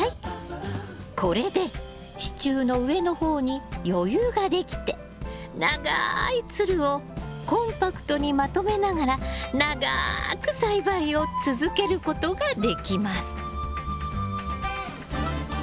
これで支柱の上の方に余裕ができて長いつるをコンパクトにまとめながら長く栽培を続けることができます。